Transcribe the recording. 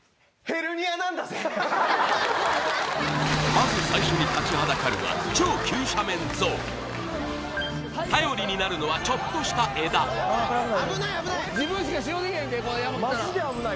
まず最初に立ちはだかるは超急斜面ゾーン頼りになるのはちょっとした枝・危ない危ない！